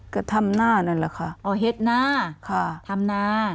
ก็ทำหน้านั่นแหละค่ะอ๋อเห็ดนาค่ะทำนา